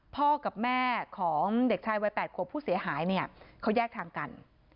พ่อกับแม่ของเด็กชายวัย๘ขวบผู้เสียหายเนี่ยเขาแยกทางกัน